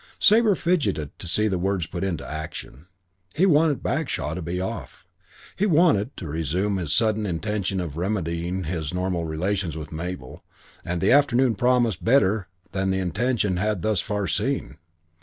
Sabre fidgeted to see the words put into action. He wanted Bagshaw to be off. He wanted to resume his sudden intention of remedying his normal relations with Mabel and the afternoon promised better than the intention had thus far seen.